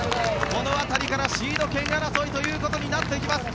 この辺りからシード権争いということになっていきます。